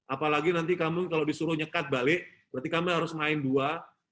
apalagi nanti kamu kalau disuruh nyekat balik berarti kami harus main dua